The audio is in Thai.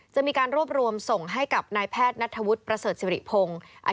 จะมีการรวบรวมส่งให้กับนายแพทย์นัทธวุฒิประเสริฐสิริพงศ์